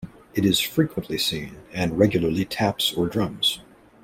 It is frequently seen, and regularly taps or drums.